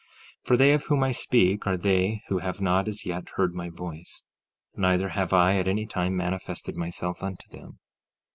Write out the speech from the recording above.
16:2 For they of whom I speak are they who have not as yet heard my voice; neither have I at any time manifested myself unto them.